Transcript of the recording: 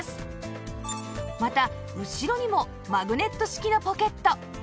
また後ろにもマグネット式のポケット